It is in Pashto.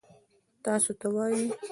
تاسو څه وايي ؟